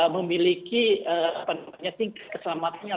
memiliki keselamatan yang